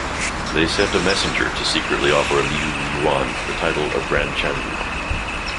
They sent a messenger to secretly offer Liu Yuan the title of Grand Chanyu.